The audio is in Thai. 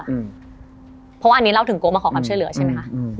เพราะว่าอันนี้เล่าถึงโกมาขอความช่วยเหลือใช่มั้ยคะ